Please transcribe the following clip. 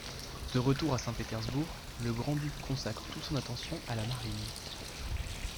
De retour à Saint-Pétersbourg, le grand-duc consacre toute son attention à la marine.